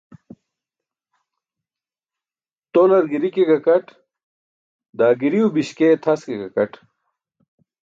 Tolar giri ke gakat, daa giriw biśkee tʰas ke gakaṭ.